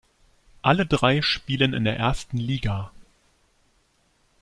Alle drei spielen in der ersten Liga.